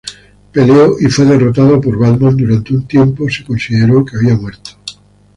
Peleó y fue derrotado por Batman, durante un tiempo se consideró que había muerto.